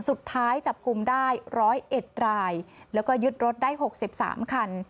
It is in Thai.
สุดท้ายจับกลุ่มได้ร้อยเอ็ดรายแล้วก็ยึดรถได้หกสิบสามคัน